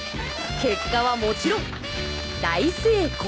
結果はもちろん大成功！